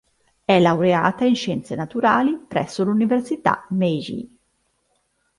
È laureata in scienze naturali presso l'Università Meiji.